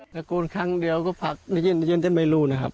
ตะโกนครั้งเดียวก็ผลักได้ยินแต่ไม่รู้นะครับ